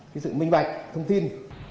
cái sự minh bạch thông tin